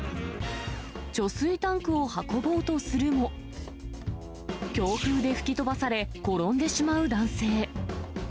貯水タンクを運ぼうとするも、強風で吹き飛ばされ、転んでしまう男性。